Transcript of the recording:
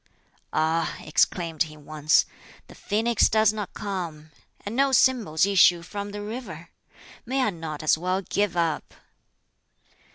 "Ah!" exclaimed he once, "the phoenix does not come! and no symbols issue from the river! May I not as well give up?"